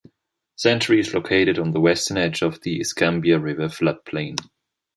Century is located on the western edge of the Escambia River floodplain.